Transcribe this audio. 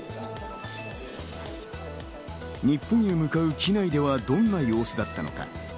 日本へ向かう機内では、どんな様子だったのか？